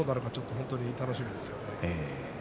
本当に楽しみですよね。